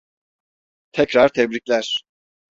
Tekrar tebrikler.